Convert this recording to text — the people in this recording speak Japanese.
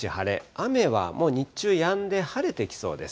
雨はもう日中やんで、晴れてきそうです。